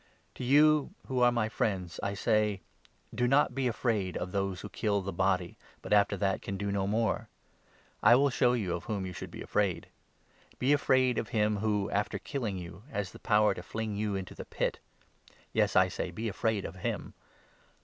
To you who are my friends I say, Do not be afraid of those who kill the body, but after that can do no more. I will show you of whom you should be afraid. Be afraid of him who, after killing you, has the power to fling you into the Pit. Yes, I say, be afraid of him.